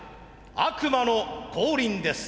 悪魔の降臨です。